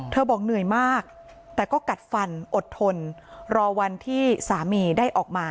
บอกเหนื่อยมากแต่ก็กัดฟันอดทนรอวันที่สามีได้ออกมา